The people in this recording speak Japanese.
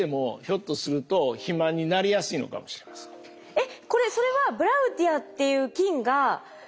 えっこれそれはブラウティアっていう菌が何ですか？